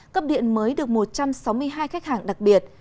cấp điện mới được một trăm sáu mươi hai khách hàng đặc biệt